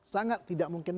sangat tidak mungkin